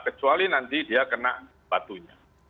kecuali nanti dia kena batunya